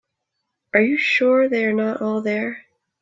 Are you sure they are not all there?